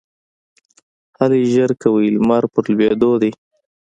هلئ ژر کوئ ! لمر په لوېدو دی